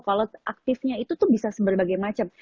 kalau aktifnya itu tuh bisa berbagai macam